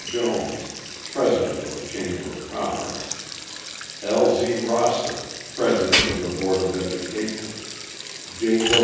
Jones, President of the Chamber of Commerce; L. Z. Rosser, president of the Board of Education; J.